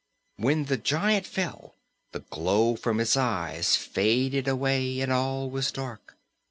When the giant fell, the glow from its eyes faded away, and all was dark.